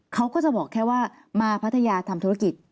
เขาก็จะบอกแค่ว่ามาพัทยาทำธุรกิจ